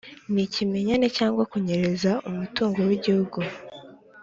n’ikimenyane cyangwa kunyereza umutungo w'Igihugu.